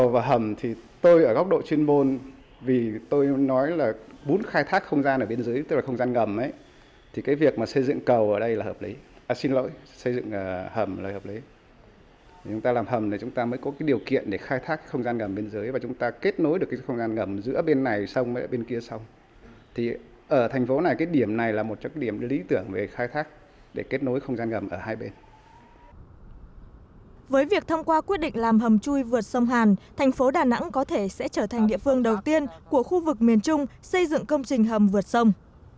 với việc thông qua quyết định làm hầm chui vượt sông hàn thành phố đà nẵng có thể sẽ trở thành địa phương đầu tiên của khu vực miền trung xây dựng công trình hầm vượt sông